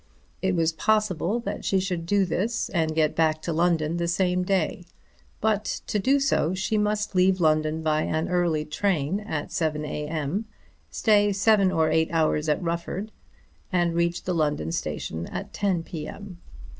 It was possible that she should do this and get back to London the same day, but, to do so, she must leave London by an early train at 7 A.M., stay seven or eight hours at Rufford, and reach the London station at 10 P.M.